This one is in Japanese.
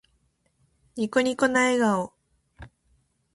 ニコニコな笑顔。